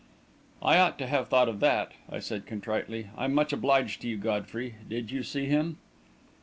"I ought to have thought of that," I said, contritely. "I'm much obliged to you, Godfrey. Did you see him?"